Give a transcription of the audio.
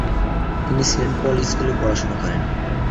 তিনি Saint Paul স্কুলে পড়াশোনা করেন।